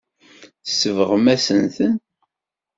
Tsebɣem-asen-ten.